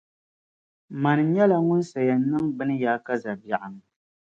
Mani nyɛla ŋun sayɛn niŋ bini yaakaza biεɣuni.